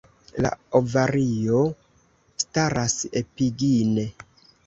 La ovario staras epigine.